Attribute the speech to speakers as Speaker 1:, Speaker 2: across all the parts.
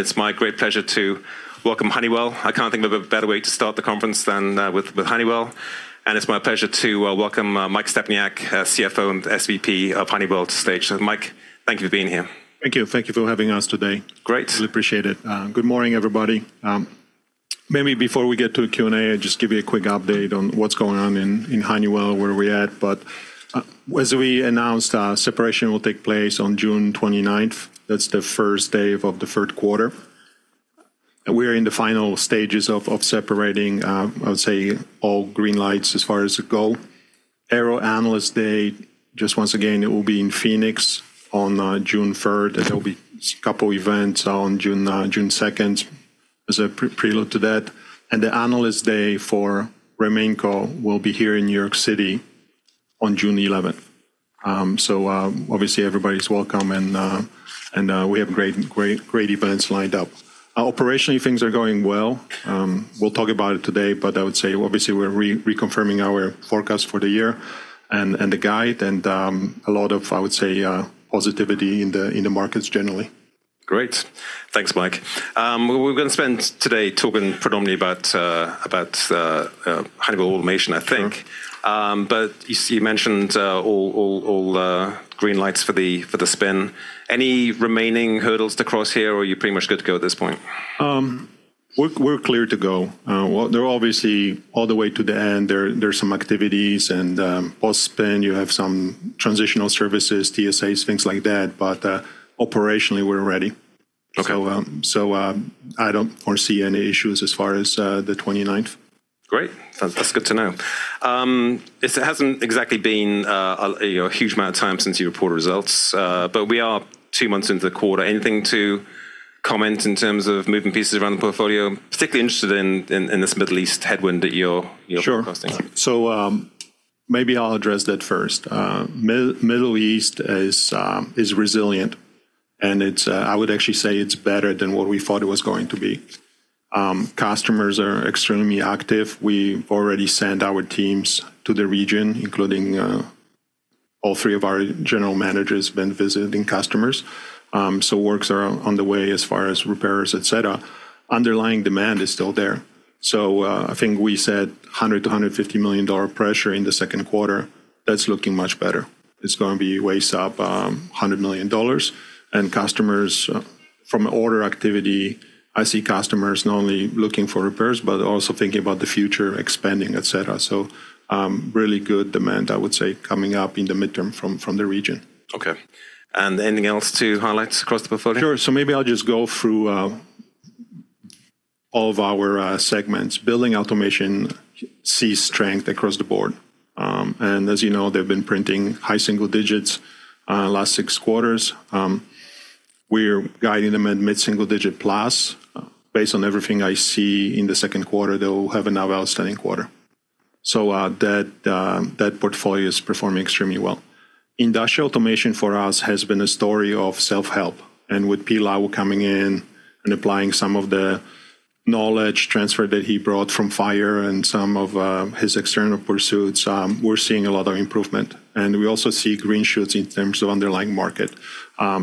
Speaker 1: It's my great pleasure to welcome Honeywell. I can't think of a better way to start the conference than with Honeywell. It's my pleasure to welcome Mike Stepniak, CFO and SVP of Honeywell to stage. Mike, thank you for being here.
Speaker 2: Thank you. Thank you for having us today.
Speaker 1: Great.
Speaker 2: Really appreciate it. Good morning, everybody. Maybe before we get to a Q&A, I'd just give you a quick update on what's going on in Honeywell, where we're at. As we announced, separation will take place on June 29th. That's the first day of the third quarter. We are in the final stages of separating, I would say all green lights as far as the goal. Aero Analyst Day, just once again, it will be in Phoenix on June 3rd. There'll be couple events on June 2nd as a prelude to that. The Analyst Day for RemainCo will be here in New York City on June 11th. Obviously everybody is welcome and we have great events lined up. Operationally, things are going well. We'll talk about it today, but I would say obviously we're reconfirming our forecast for the year and the guide and, a lot of, I would say, positivity in the markets generally.
Speaker 1: Great. Thanks, Mike. We're gonna spend today talking predominantly about Honeywell automation, I think. You mentioned all green lights for the spin. Any remaining hurdles to cross here, or are you pretty much good to go at this point?
Speaker 2: We're clear to go. Well, there are obviously all the way to the end, there are some activities and, post-spin, you have some transitional services, TSAs, things like that. Operationally, we're ready.
Speaker 1: Okay.
Speaker 2: I don't foresee any issues as far as the 29th.
Speaker 1: Great. That's good to know. It hasn't exactly been, you know, a huge amount of time since you reported results, but we are two months into the quarter. Anything to comment in terms of moving pieces around the portfolio? Particularly interested in this Middle East headwind that you're [crossing].
Speaker 2: Sure Maybe I'll address that first. Middle East is resilient, and it's, I would actually say it's better than what we thought it was going to be. Customers are extremely active. We already sent our teams to the region, including, all three of our general managers been visiting customers. Works are on the way as far as repairs, et cetera. Underlying demand is still there. I think we said $100 million-$150 million pressure in the second quarter. That's looking much better. It's gonna be way up, $100 million. Customers from order activity, I see customers not only looking for repairs but also thinking about the future, expanding, et cetera. Really good demand, I would say, coming up in the midterm from the region.
Speaker 1: Okay. Anything else to highlight across the portfolio?
Speaker 2: Sure. Maybe I'll just go through all of our segments. Building Automation sees strength across the board. And as you know, they've been printing high single digits last six quarters. We're guiding them at mid-single digit plus. Based on everything I see in the second quarter, they'll have another outstanding quarter. That portfolio is performing extremely well. Industrial Automation for us has been a story of self-help, and with Peter Lau coming in and applying some of the knowledge transfer that he brought from Fire and some of his external pursuits, we're seeing a lot of improvement. We also see green shoots in terms of underlying market. I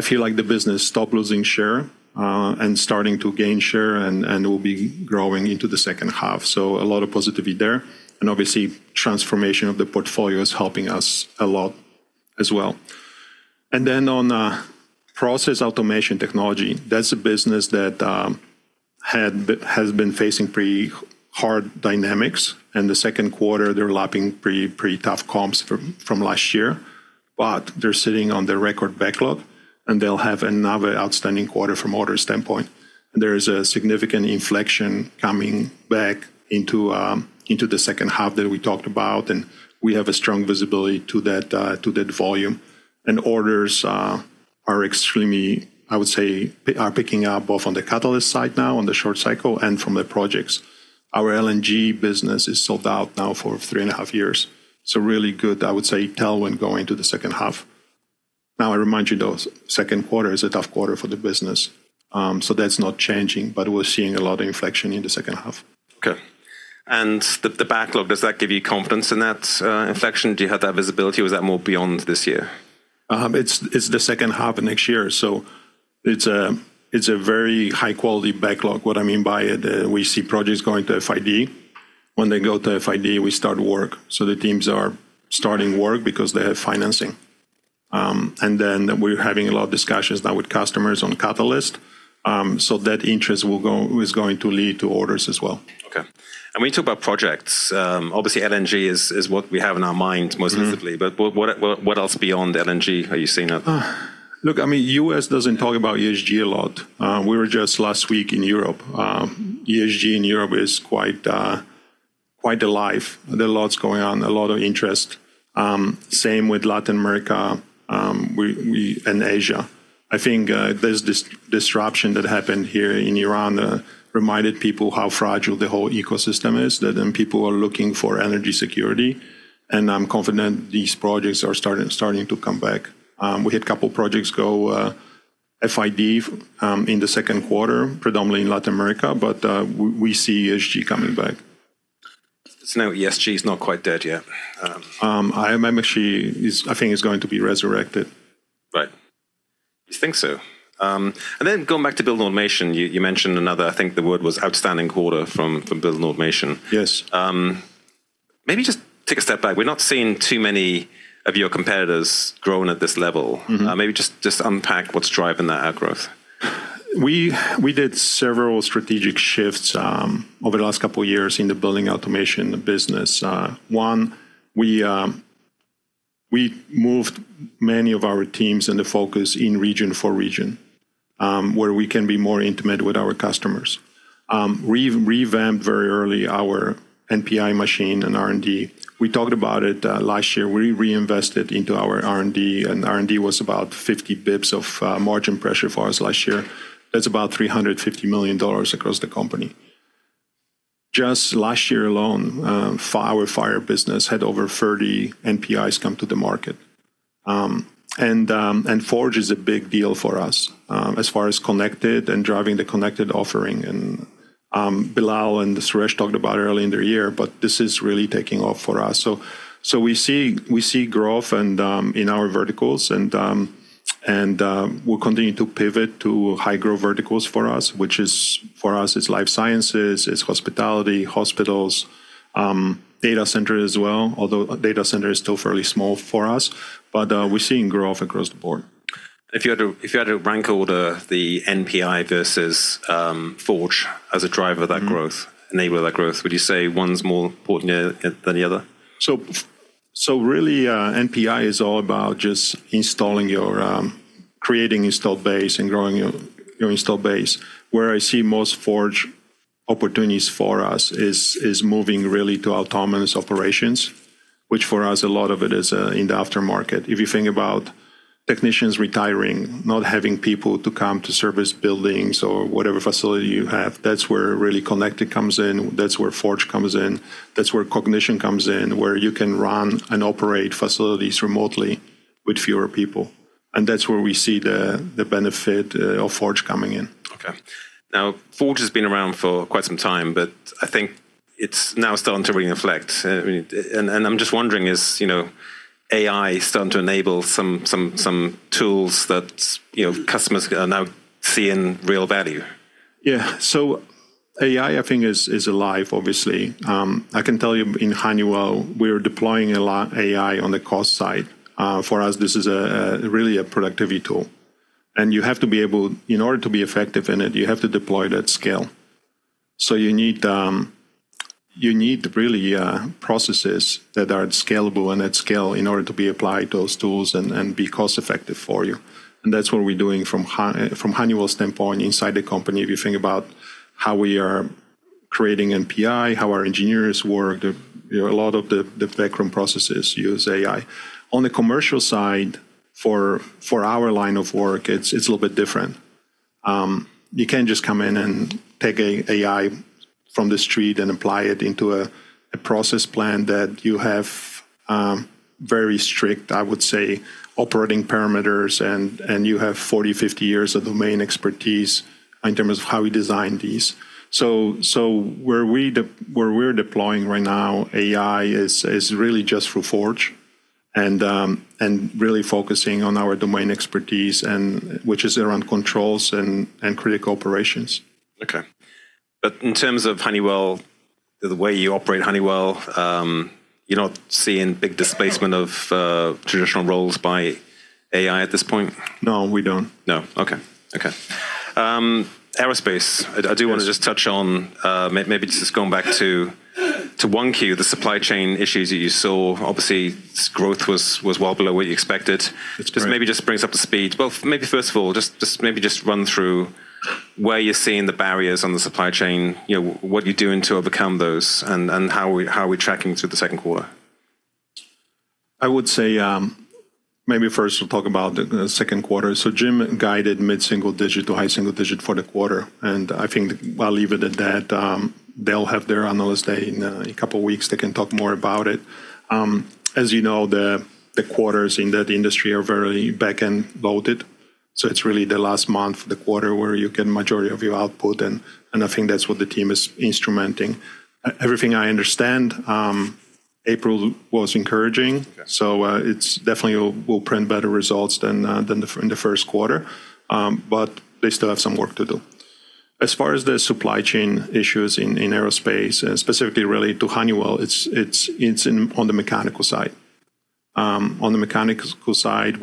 Speaker 2: feel like the business stop losing share and starting to gain share and will be growing into the second half. A lot of positivity there. Obviously, transformation of the portfolio is helping us a lot as well. On Process Automation & Technology, that's a business that has been facing pretty hard dynamics. In the second quarter, they're lapping pretty tough comps from last year. They're sitting on their record backlog, and they'll have another outstanding quarter from order standpoint. There is a significant inflection coming back into the second half that we talked about, and we have a strong visibility to that volume. Orders are extremely, I would say, are picking up both on the Catalyst side now, on the short cycle, and from the projects. Our LNG business is sold out now for 3.5 years. Really good, I would say, tailwind going to the second half. I remind you though, second quarter is a tough quarter for the business, so that's not changing, but we're seeing a lot of inflection in the second half.
Speaker 1: Okay. The backlog, does that give you confidence in that inflection? Do you have that visibility or is that more beyond this year?
Speaker 2: It's the second half of next year. It's a very high quality backlog. What I mean by it, we see projects going to FID. When they go to FID, we start work. The teams are starting work because they have financing. We're having a lot of discussions now with customers on Catalyst, so that interest is going to lead to orders as well.
Speaker 1: Okay. We talk about projects. Obviously, LNG is what we have in our minds most recently. What else beyond LNG are you seeing now?
Speaker 2: Look, I mean, U.S. doesn't talk about ESG a lot. We were just last week in Europe. ESG in Europe is quite alive. There are lots going on, a lot of interest. Same with Latin America and Asia. I think, there's this disruption that happened here in Iran, reminded people how fragile the whole ecosystem is. That people are looking for energy security, and I'm confident these projects are starting to come back. We had a couple projects go FID in the second quarter, predominantly in Latin America, but we see ESG coming back.
Speaker 1: Now ESG is not quite dead yet?
Speaker 2: I think it's going to be resurrected.
Speaker 1: Right. You think so? Then going back to Building Automation, you mentioned another, I think the word was outstanding quarter from Building Automation.
Speaker 2: Yes.
Speaker 1: Maybe just take a step back. We're not seeing too many of your competitors growing at this level. Maybe just unpack what's driving that outgrowth.
Speaker 2: We did several strategic shifts over the last couple of years in the Building Automation business. One, we moved many of our teams and the focus in region for region where we can be more intimate with our customers. Revamped very early our NPI machine and R&D. We talked about it last year. We reinvested into our R&D, and R&D was about 50 basis points of margin pressure for us last year. That's about $350 million across the company. Just last year alone, our Fire business had over 30 NPIs come to the market. And Forge is a big deal for us as far as Connected and driving the Connected offering. Billal and Suresh talked about it earlier in the year, but this is really taking off for us. We see growth and in our verticals and and we're continuing to pivot to high-growth verticals for us, which is for us is life sciences, it's hospitality, hospitals, data center as well, although data center is still fairly small for us. We're seeing growth across the board.
Speaker 1: If you had to rank order the NPI versus Forge as a driver of that growth. Enabler of that growth, would you say one's more important than the other?
Speaker 2: Really, NPI is all about just installing your, creating installed base and growing your installed base. Where I see most Forge opportunities for us is moving really to autonomous operations, which for us a lot of it is in the aftermarket. If you think about technicians retiring, not having people to come to service buildings or whatever facility you have, that's where really Connected comes in, that's where Forge comes in, that's where Cognition comes in, where you can run and operate facilities remotely with fewer people. That's where we see the benefit of Forge coming in.
Speaker 1: Okay. Now, Forge has been around for quite some time, but I think it's now starting to really reflect. I'm just wondering is, you know, AI starting to enable some tools that, you know, customers are now seeing real value?
Speaker 2: Yeah. AI, I think is alive, obviously. I can tell you in Honeywell, we're deploying a lot AI on the cost side. For us, this is a really a productivity tool. You have to be able in order to be effective in it, you have to deploy it at scale. You need, you need really processes that are scalable and at scale in order to be applied those tools and be cost-effective for you. That's what we're doing from Honeywell standpoint inside the company. If you think about how we are creating NPI, how our engineers work, you know, a lot of the background processes use AI. On the commercial side, for our line of work, it's a little bit different. You can't just come in and take AI from the street and apply it into a process plan that you have very strict, I would say, operating parameters, and you have 40, 50 years of domain expertise in terms of how we design these. Where we're deploying right now AI is really just through Forge and really focusing on our domain expertise and which is around controls and critical operations.
Speaker 1: Okay. In terms of Honeywell, the way you operate Honeywell, you're not seeing big displacement of traditional roles by AI at this point?
Speaker 2: No, we don't.
Speaker 1: No. Okay. Okay. Aerospace. I do want to just touch on, maybe just going back to 1Q, the supply chain issues that you saw. Obviously, growth was well below what you expected.
Speaker 2: That's right.
Speaker 1: Just maybe just bring us up to speed. Well, maybe first of all, just maybe just run through where you're seeing the barriers on the supply chain, you know, what you're doing to overcome those and how we're tracking through the second quarter?
Speaker 2: I would say, maybe first we'll talk about the second quarter. Jim guided mid-single digit to high single digit for the quarter, and I think I'll leave it at that. They'll have their analyst day in a couple of weeks. They can talk more about it. As you know, the quarters in that industry are very back-end loaded. It's really the last month of the quarter where you get majority of your output, and I think that's what the team is instrumenting. Everything I understand, April was encouraging.
Speaker 1: Okay.
Speaker 2: It's definitely will print better results than in the first quarter, but they still have some work to do. As far as the supply chain issues in Aerospace, specifically really to Honeywell, it's in on the mechanical side. On the mechanical side,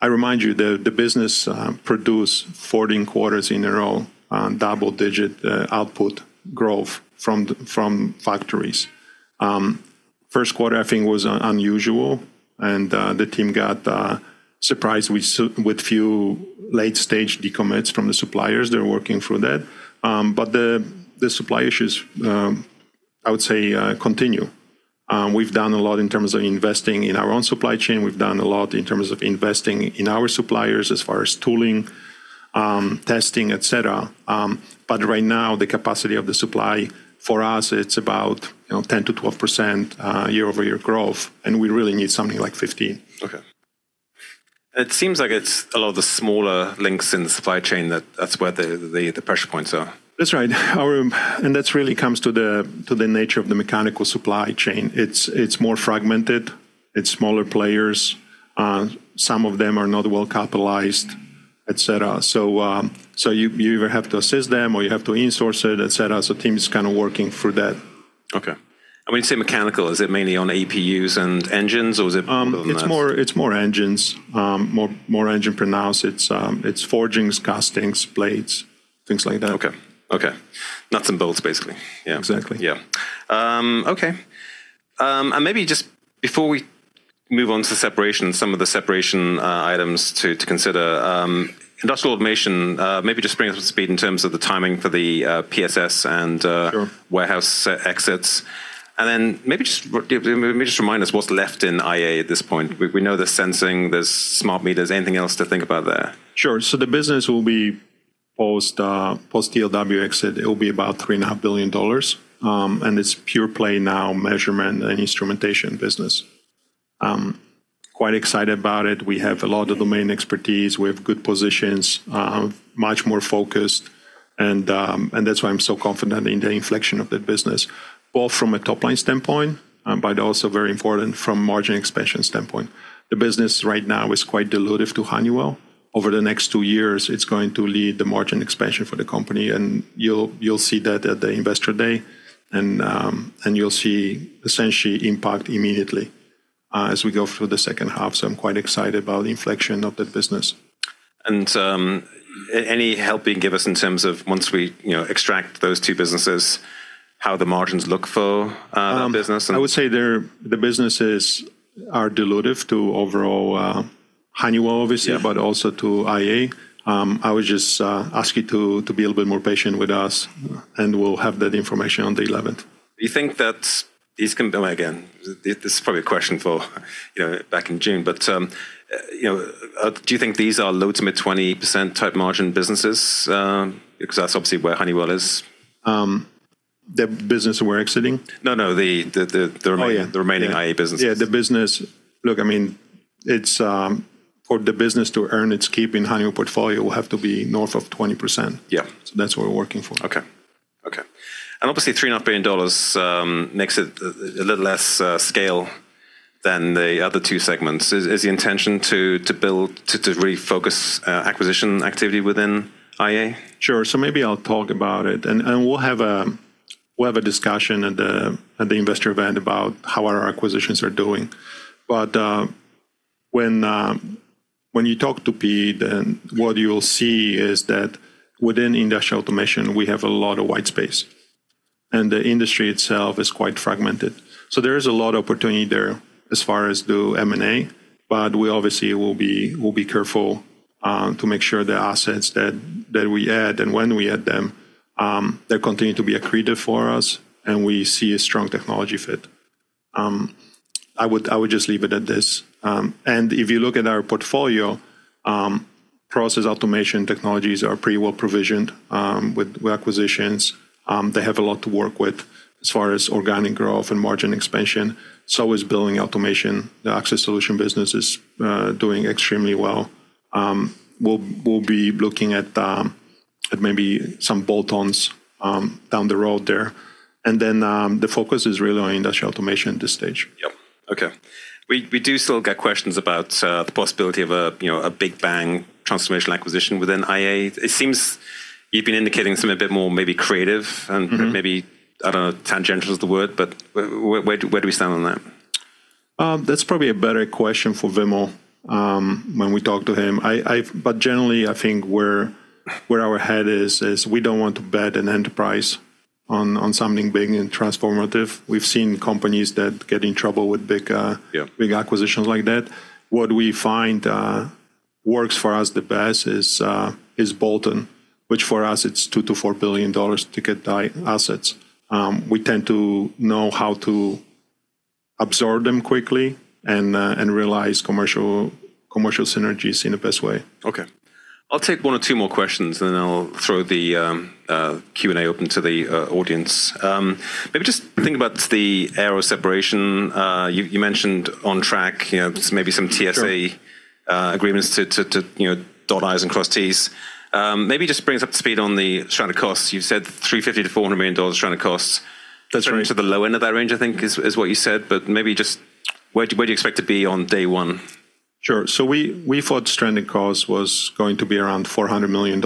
Speaker 2: I remind you the business produced 14 quarters in a row on double-digit output growth from factories. First quarter, I think was unusual, and the team got surprised with few late-stage decommits from the suppliers. They're working through that. The supply issues, I would say, continue. We've done a lot in terms of investing in our own supply chain. We've done a lot in terms of investing in our suppliers as far as tooling, testing, etc. Right now, the capacity of the supply for us, it's about, you know, 10%-12% year-over-year growth, and we really need something like 15%.
Speaker 1: Okay. It seems like it's a lot of the smaller links in the supply chain that that's where the, the pressure points are.
Speaker 2: That's right. That really comes to the nature of the mechanical supply chain. It's more fragmented. It's smaller players. Some of them are not well-capitalized, et cetera. You either have to assist them or you have to in-source it, et cetera. Team's kinda working through that.
Speaker 1: Okay. When you say mechanical, is it mainly on APUs and engines, or is it a little less?
Speaker 2: It's more engines. More engine pronounced. It's forgings, castings, blades, things like that.
Speaker 1: Okay. Okay. Nuts and bolts, basically. Yeah.
Speaker 2: Exactly.
Speaker 1: Yeah. Okay. Maybe just before we move on to the separation, some of the separation items to consider. Industrial Automation, maybe just bring us up to speed in terms of the timing for the PSS and Warehouse, exits. Then maybe just remind us what's left in IA at this point. We know there's sensing, there's smart meters. Anything else to think about there?
Speaker 2: Sure. The business will be post ELW exit, it will be about $3.5 billion. It's pure play now, measurement and instrumentation business. I'm quite excited about it. We have a lot of domain expertise. We have good positions. Much more focused, and that's why I'm so confident in the inflection of the business, both from a top-line standpoint, but also very important from margin expansion standpoint. The business right now is quite dilutive to Honeywell. Over the next two years, it's going to lead the margin expansion for the company, and you'll see that at the Investor Day. You'll see essentially impact immediately as we go through the second half. I'm quite excited about the inflection of that business.
Speaker 1: Any help you can give us in terms of once we, you know, extract those two businesses, how the margins look for that business.
Speaker 2: I would say the businesses are dilutive to overall Honeywell obviously, but also to IA. I would just ask you to be a little bit more patient with us, and we'll have that information on the 11th.
Speaker 1: You think that these, again, this is probably a question for, you know, back in June, but, you know, do you think these are low to mid 20% type margin businesses? Because that's obviously where Honeywell is.
Speaker 2: The business we're exiting?
Speaker 1: No, the remaining IA business.
Speaker 2: Yeah, Look, I mean, it's for the business to earn its keep in Honeywell portfolio will have to be north of 20%.
Speaker 1: Yeah.
Speaker 2: That's what we're working for.
Speaker 1: Okay. Obviously, $3.5 billion makes it a little less scale than the other two segments. Is the intention to really focus acquisition activity within IA?
Speaker 2: Sure. Maybe I'll talk about it. And we'll have a discussion at the investor event about how our acquisitions are doing. When you talk to Pete, then what you'll see is that within Industrial Automation, we have a lot of white space, and the industry itself is quite fragmented. There is a lot of opportunity there as far as do M&A, but we obviously will be careful to make sure the assets that we add and when we add them, they continue to be accretive for us, and we see a strong technology fit. I would just leave it at this. If you look at our portfolio, Process Automation Technologies are pretty well provisioned with acquisitions. They have a lot to work with as far as organic growth and margin expansion, so is Building Automation. The Access Solution business is doing extremely well. We'll be looking at maybe some bolt-ons down the road there. The focus is really on Industrial Automation at this stage.
Speaker 1: Yep. Okay. We do still get questions about the possibility of a, you know, a big bang transformational acquisition within IA. It seems you've been indicating something a bit more maybe creative and maybe, I don't know, tangential is the word, but where do we stand on that?
Speaker 2: That's probably a better question for Vimal, when we talk to him. Generally, I think where our head is we don't want to bet an enterprise on something big and transformative. We've seen companies that get in trouble with big acquisitions like that. What we find works for us the best is is bolt-on, which for us it's $2 billion-$4 billion to get the assets. We tend to know how to absorb them quickly and realize commercial synergies in the best way.
Speaker 1: Okay. I'll take one or two more questions, and then I'll throw the Q&A open to the audience. Maybe just think about the Aero separation. You mentioned on track, you know, maybe some TSA agreements to, you know, dot I's and cross T's. Maybe just bring us up to speed on the stranded costs. You said $350 million-$400 million stranded costs.
Speaker 2: That's right.
Speaker 1: Turn into the low end of that range, I think, is what you said. Maybe just where do, where do you expect to be on day one?
Speaker 2: Sure. We thought stranded cost was going to be around $400 million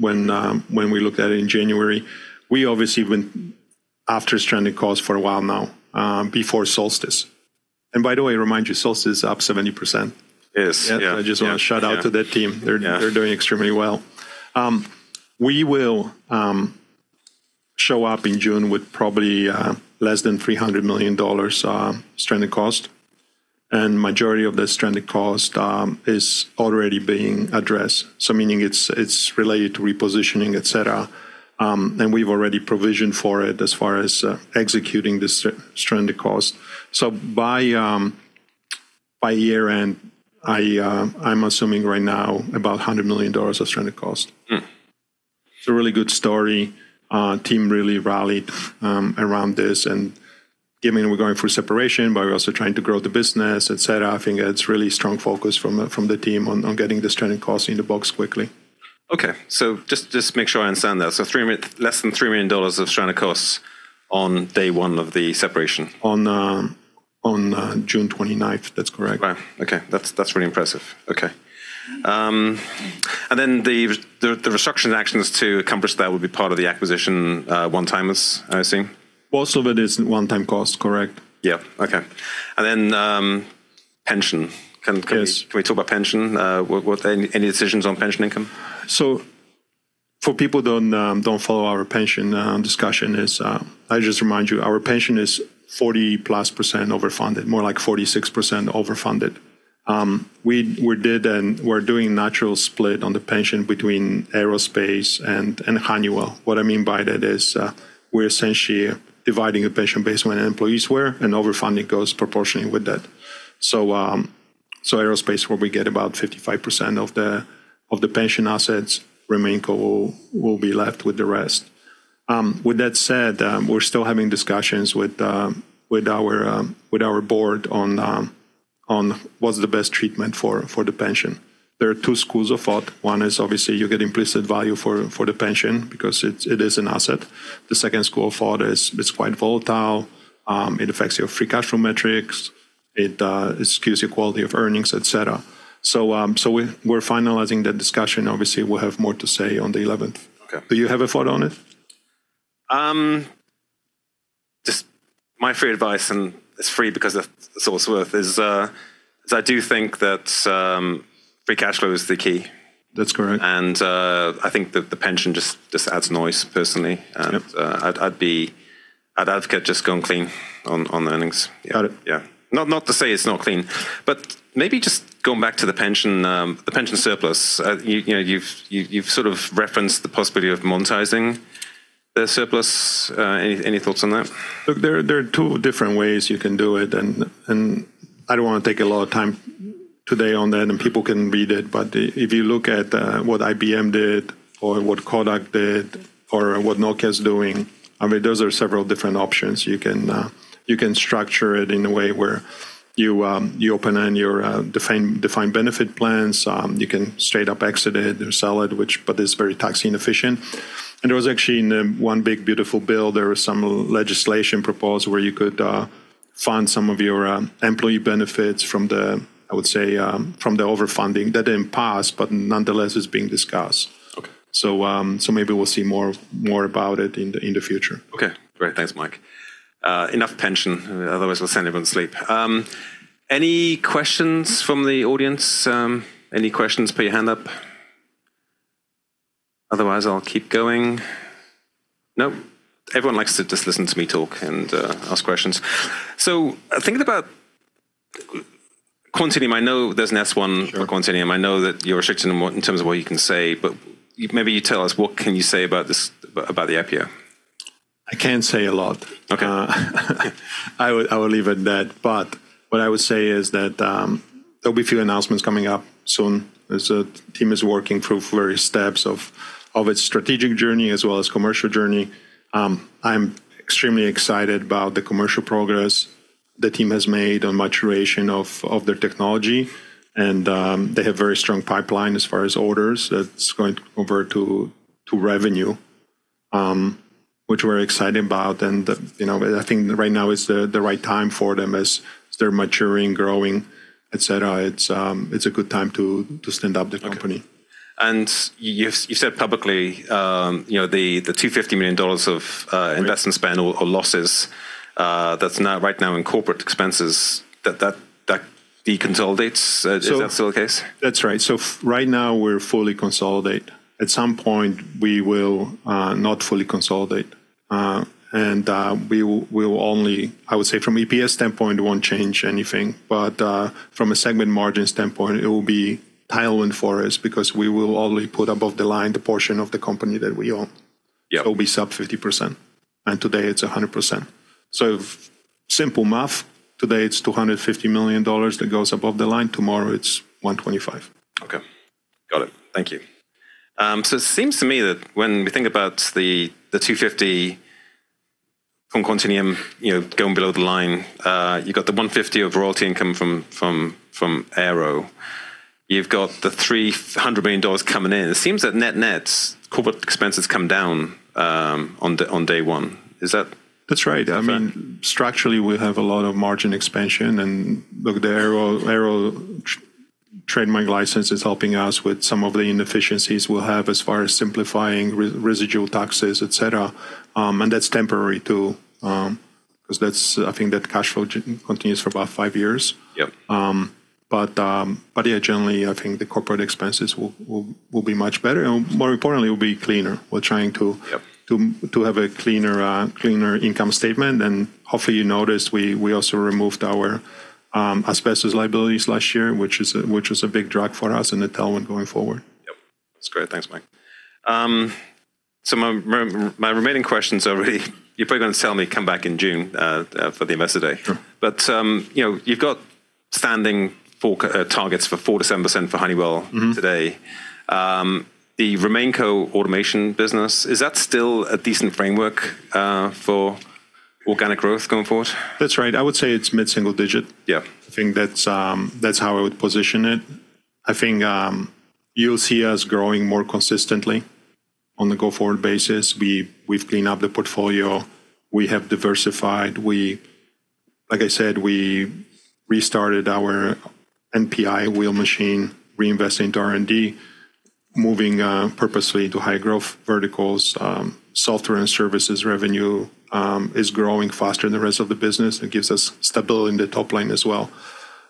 Speaker 2: when we looked at it in January. We obviously went after stranded cost for a while now before Solstice. By the way, remind you, Solstice is up 70%.
Speaker 1: It is. Yeah.
Speaker 2: Yeah. I just wanna shout out to that team.
Speaker 1: Yeah.
Speaker 2: They're doing extremely well. We will show up in June with probably less than $300 million stranded cost, and majority of the stranded cost is already being addressed, so meaning it's related to repositioning, et cetera. And we've already provisioned for it as far as executing the stranded cost. By year-end, I'm assuming right now about $100 million of stranded cost. It's a really good story. Team really rallied around this, and given we're going through separation but we're also trying to grow the business, I think it's really strong focus from the team on getting the stranded costs in the box quickly.
Speaker 1: Okay. Just to make sure I understand that. Less than $300 million of stranded costs on day one of the separation.
Speaker 2: On June 29th. That's correct.
Speaker 1: Wow, okay. That's really impressive. Okay. The restructuring actions to accomplish that would be part of the acquisition one-timers, I assume.
Speaker 2: Most of it is one-time cost, correct.
Speaker 1: Yeah. Okay. Then, pension.
Speaker 2: Yes
Speaker 1: Can we talk about pension? Were there any decisions on pension income?
Speaker 2: For people who don't follow our pension discussion, I just remind you, our pension is 40%+ overfunded, more like 46% overfunded. We did and we're doing natural split on the pension between Aerospace and Honeywell. What I mean by that is, we're essentially dividing a pension based on where the employees were, and overfunding goes proportionally with that. Aerospace where we get about 55% of the pension assets, RemainCo will be left with the rest. With that said, we're still having discussions with our board on what's the best treatment for the pension. There are two schools of thought. One is obviously you get implicit value for the pension because it is an asset. The second school of thought is it's quite volatile. It affects your free cash flow metrics. It skews your quality of earnings, et cetera. We're finalizing the discussion. Obviously, we'll have more to say on the 11th.
Speaker 1: Okay.
Speaker 2: Do you have a thought on it?
Speaker 1: Just my free advice, and it's free because of what it's worth, is I do think that free cash flow is the key.
Speaker 2: That's correct.
Speaker 1: I think the pension just adds noise personally.
Speaker 2: Yep.
Speaker 1: I'd advocate just going clean on the earnings.
Speaker 2: Got it.
Speaker 1: Not to say it's not clean, but maybe just going back to the pension, the pension surplus. You know, you've sort of referenced the possibility of monetizing the surplus. Any thoughts on that?
Speaker 2: Look, there are two different ways you can do it, and I don't wanna take a lot of time today on that, and people can read it. If you look at what IBM did or what Kodak did or what Nokia's doing, I mean, those are several different options. You can structure it in a way where you open and you define benefit plans. You can straight up exit it or sell it, but it's very tax inefficient. There was actually in the One Big, Beautiful Bill, there was some legislation proposed where you could fund some of your employee benefits from the, I would say, from the overfunding. That didn't pass, nonetheless it's being discussed.
Speaker 1: Okay.
Speaker 2: Maybe we'll see more about it in the future.
Speaker 1: Great, thanks, Mike. Enough pension, otherwise we'll send everyone to sleep. Any questions from the audience? Any questions, put your hand up. Otherwise, I'll keep going. Nope, everyone likes to just listen to me talk and ask questions. Thinking about Quantinuum, I know there's an S-1 for Quantinuum. I know that you're restricted in what, in terms of what you can say, but maybe you tell us what can you say about this, about the IPO?
Speaker 2: I can't say a lot.
Speaker 1: Okay.
Speaker 2: I would leave it at that. What I would say is that there'll be a few announcements coming up soon as the team is working through various steps of its strategic journey as well as commercial journey. I'm extremely excited about the commercial progress the team has made on maturation of their technology, and they have very strong pipeline as far as orders that's going over to revenue, which we're excited about. You know, I think right now is the right time for them as they're maturing, growing, et cetera. It's a good time to stand up the company.
Speaker 1: Okay. You've said publicly, you know, the $250 million of investment spend or losses, that's now, right now in corporate expenses, that deconsolidates. Is that still the case?
Speaker 2: That's right. Right now we're fully consolidate. At some point, we will not fully consolidate. We will only, I would say from EPS standpoint, it won't change anything. From a segment margin standpoint, it will be tailwind for us because we will only put above the line the portion of the company that we own.
Speaker 1: Yeah.
Speaker 2: It'll be sub 50%, and today it's 100%. Simple math, today it's $250 million that goes above the line, tomorrow it's $125 million.
Speaker 1: Okay. Got it. Thank you. It seems to me that when we think about the $250 million from Quantinuum, you know, going below the line, you got the $150 million of royalty income from Aero. You've got the $300 million coming in. It seems that net-net corporate expenses come down on day one. Is that fair?
Speaker 2: That's right. I mean, structurally, we have a lot of margin expansion, look, the Aero trademark license is helping us with some of the inefficiencies we'll have as far as simplifying residual taxes, et cetera. That's temporary too, 'cause I think that cash flow continues for about five years.
Speaker 1: Yep.
Speaker 2: Yeah, generally, I think the corporate expenses will be much better, and more importantly, will be cleaner.
Speaker 1: Yep
Speaker 2: We're trying to have a cleaner income statement. Hopefully you noticed we also removed our asbestos liabilities last year, which was a big drag for us, and a tailwind going forward.
Speaker 1: Yep. That's great. Thanks, Mike. My remaining questions are really, you're probably gonna tell me, come back in June for the Investor Day.
Speaker 2: Sure.
Speaker 1: You know, you've got standing targets for 4%-7% for Honeywell today. The RemainCo Automation Business, is that still a decent framework for organic growth going forward?
Speaker 2: That's right. I would say it's mid-single digit.
Speaker 1: Yeah.
Speaker 2: I think that's how I would position it. I think, you'll see us growing more consistently on the go-forward basis. We've cleaned up the portfolio. We have diversified. Like I said, we restarted our NPI wheel machine, reinvest into R&D, moving purposely to high growth verticals. Software and services revenue is growing faster than the rest of the business. It gives us stability in the top line as well.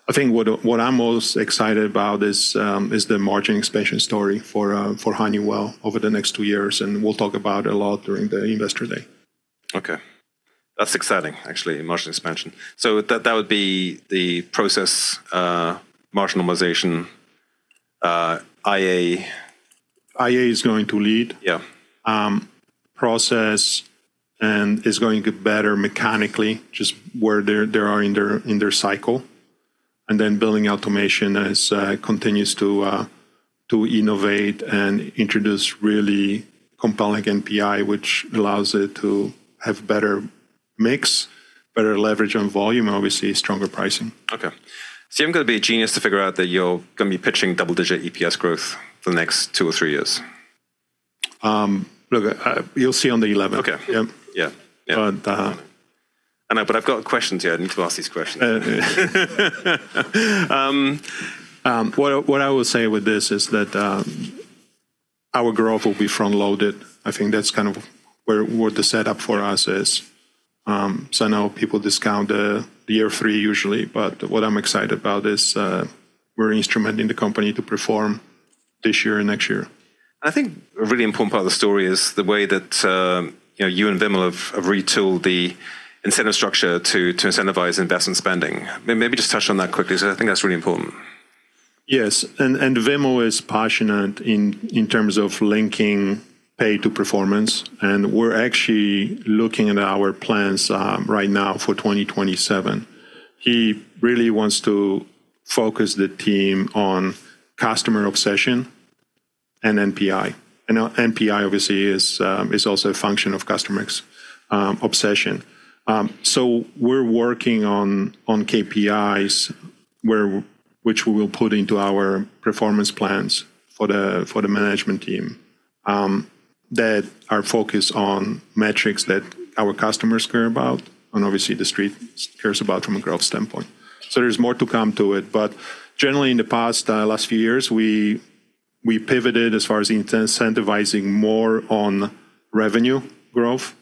Speaker 2: I think what I'm most excited about is the margin expansion story for Honeywell over the next two years, and we'll talk about it a lot during the Investor Day.
Speaker 1: Okay. That's exciting, actually, margin expansion. That would be the Process, marginalization, IA.
Speaker 2: IA is going to lead.
Speaker 1: Yeah.
Speaker 2: Process is going to get better mechanically, just where they are in their cycle. Then Building Automation is continues to innovate and introduce really compelling NPI, which allows it to have better mix, better leverage on volume, obviously stronger pricing.
Speaker 1: Okay. See, I'm gonna be a genius to figure out that you're gonna be pitching double-digit EPS growth for the next two or three years.
Speaker 2: Look, you'll see on the 11th.
Speaker 1: Okay.
Speaker 2: Yeah.
Speaker 1: Yeah. Yeah.
Speaker 2: But, uh.
Speaker 1: I know, but I've got questions here. I need to ask these questions.
Speaker 2: What I will say with this is that our growth will be front-loaded. I think that's kind of what the setup for us is. I know people discount the year three usually, but what I'm excited about is we're instrumenting the company to perform this year and next year.
Speaker 1: I think a really important part of the story is the way that, you know, you and Vimal have retooled the incentive structure to incentivize investment spending. Maybe just touch on that quickly, 'cause I think that's really important.
Speaker 2: Yes. Vimal is passionate in terms of linking pay to performance, and we're actually looking at our plans right now for 2027. He really wants to focus the team on customer obsession and NPI. NPI obviously is also a function of customer obsession. We're working on KPIs which we will put into our performance plans for the management team that are focused on metrics that our customers care about, and obviously the street cares about from a growth standpoint. There's more to come to it. Generally in the past last few years, we pivoted as far as incentivizing more on revenue growth,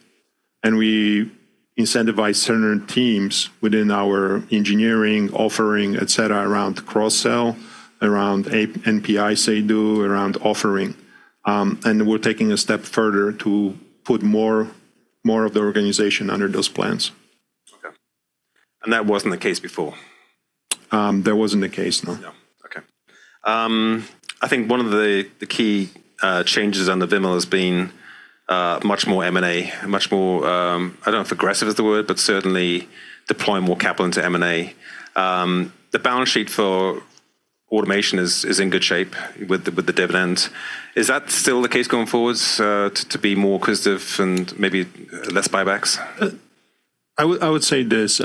Speaker 2: and we incentivize certain teams within our engineering offering, et cetera, around cross-sell, around NPIs they do, around offering. We're taking a step further to put more of the organization under those plans.
Speaker 1: Okay. That wasn't the case before?
Speaker 2: That wasn't the case, no.
Speaker 1: No. Okay. I think one of the key changes under Vimal has been much more M&A, much more, I don't know if aggressive is the word, but certainly deploying more capital into M&A. The balance sheet for automation is in good shape with the dividend. Is that still the case going forward to be more cohesive and maybe less buybacks?
Speaker 2: I would say this.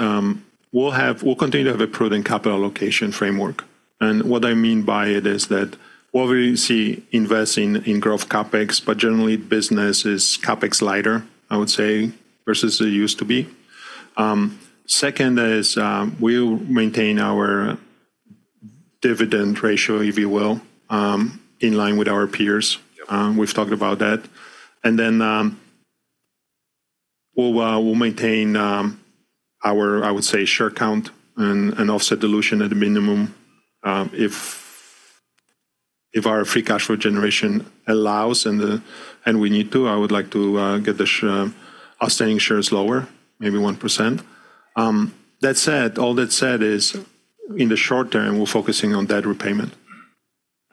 Speaker 2: We'll continue to have a prudent capital allocation framework. What I mean by it is that what we see investing in growth CapEx, but generally business is CapEx lighter, I would say, versus it used to be. Second is, we'll maintain our dividend ratio, if you will, in line with our peers.
Speaker 1: Yeah.
Speaker 2: We've talked about that. We'll maintain our I would say share count and offset dilution at a minimum. If our free cash flow generation allows and we need to, I would like to get the outstanding shares lower, maybe 1%. That said, all that said is in the short term, we're focusing on debt repayment.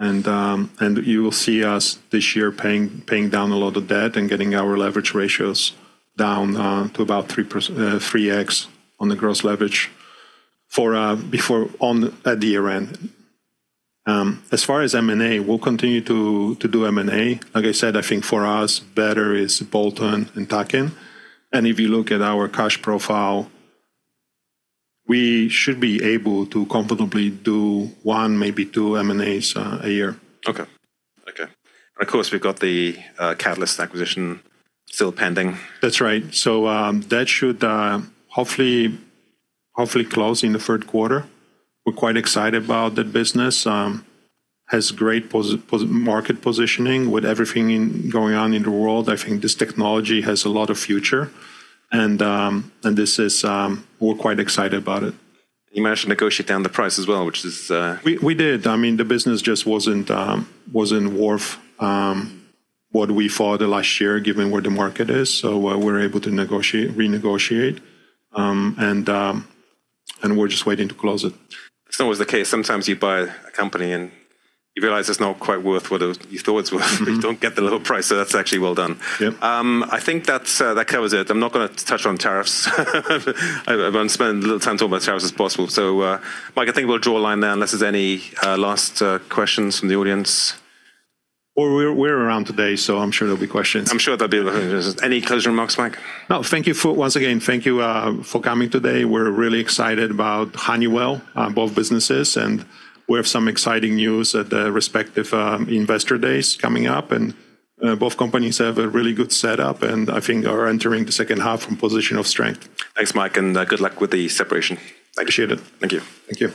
Speaker 2: You will see us this year paying down a lot of debt and getting our leverage ratios down, to about 3x on the gross leverage at the year-end. As far as M&A, we'll continue to do M&A. Like I said, I think for us, better is bolt-on and tuck-in. If you look at our cash profile, we should be able to comfortably do one, maybe two M&As, a year.
Speaker 1: Okay. Okay. Of course, we've got the Catalyst acquisition still pending.
Speaker 2: That's right. That should hopefully close in the third quarter. We're quite excited about that business. Has great market positioning with everything going on in the world. I think this technology has a lot of future, we're quite excited about it.
Speaker 1: You managed to negotiate down the price as well.
Speaker 2: We did. I mean, the business just wasn't worth what we thought last year, given where the market is. We're able to renegotiate. We're just waiting to close it.
Speaker 1: It's not always the case. Sometimes you buy a company and you realize it's not quite worth what you thought it was worth. You don't get the lower price, so that's actually well done.
Speaker 2: Yeah.
Speaker 1: I think that's that covers it. I'm not gonna touch on tariffs. I wanna spend a little time talking about tariffs as possible. Mike, I think we'll draw a line there unless there's any last questions from the audience.
Speaker 2: Well, we're around today, so I'm sure there'll be questions.
Speaker 1: I'm sure there'll be. Any closing remarks, Mike?
Speaker 2: No. Once again, thank you for coming today. We're really excited about Honeywell, both businesses, and we have some exciting news at the respective investor days coming up. Both companies have a really good setup and I think are entering the second half from a position of strength.
Speaker 1: Thanks, Mike, and good luck with the separation.
Speaker 2: Appreciate it.
Speaker 1: Thank you.
Speaker 2: Thank you.